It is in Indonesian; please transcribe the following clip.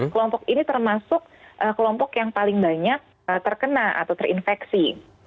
kelompok ini termasuk kelompok yang paling banyak terkena atau terinfeksi